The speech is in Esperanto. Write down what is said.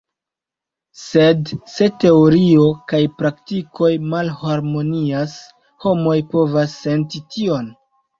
Sed se teorio kaj praktiko malharmonias, homoj povas senti tion.